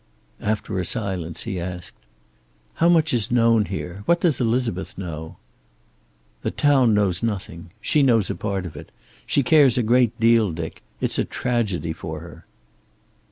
After a silence he asked: "How much is known here? What does Elizabeth know?" "The town knows nothing. She knows a part of it. She cares a great deal, Dick. It's a tragedy for her."